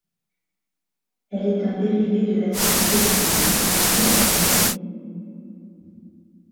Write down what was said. Elle est un dérivé de la cystéine, un acide aminé.